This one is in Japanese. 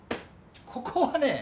ここはね